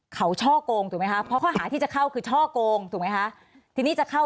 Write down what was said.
เขาช่อโกงถูกไหมคะเพราะข้อหาที่จะเข้า